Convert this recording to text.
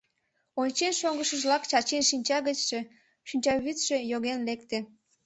Ончен шогышыжлак Чачин шинча гычше шинчавӱдшӧ йоген лекте.